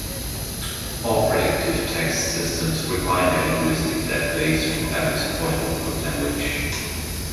All predictive text systems require a linguistic database for every supported input language.